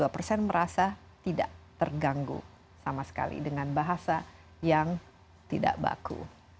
dua puluh dua persen merasa tidak terganggu sama sekali dengan bahasa yang tidak baku